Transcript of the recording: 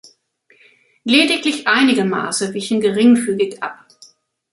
Lediglich einige Maße wichen geringfügig ab.